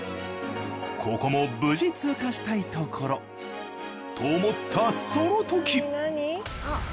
ここも無事通過したいところ。と思ったそのとき！